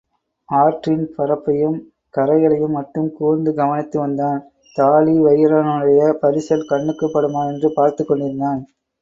ஆற்றின் பரப்பையும், கரைகளையும் மட்டும் கூர்ந்து கவனித்து வந்தான், தாழிவயிறனுடைய பரிசல் கண்ணுக்குப் படுமா என்று பார்த்துக்கொண்டிருந்தான்.